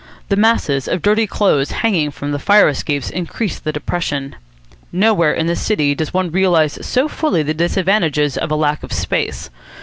The masses of dirty clothes hanging from the fire escapes increase the depression. Nowhere in the city does one realise so fully the disadvantages of a lack of space.